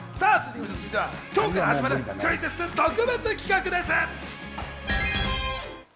続いては今日から始まるクイズッス特別企画です。